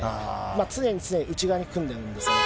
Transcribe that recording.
常に常に、内側に組んでるんです